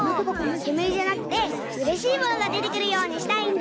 けむりじゃなくてうれしいものがでてくるようにしたいんだ！